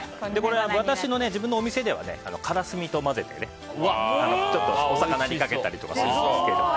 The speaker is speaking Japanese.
自分のお店ではカラスミと混ぜてちょっとお魚にかけたりするんですが。